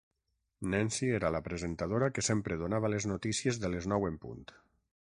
Nancy era la presentadora que sempre donava les notícies de les nou en punt